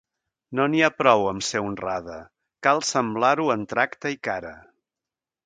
No n'hi ha prou amb ser honrada: cal semblar-ho en tracte i cara.